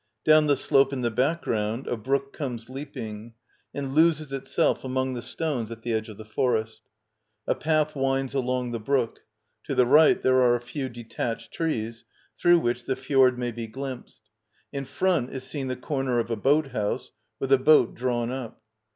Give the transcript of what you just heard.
Down the slope in the background a brook comes leaping, and loses itself among the stones at the edge of the forest. A path ^ winds along the brook. To the right there are a few detached trees, through which the fjord may be glimpsed. In front is seen the corner of a boat house, with a boat drawn up.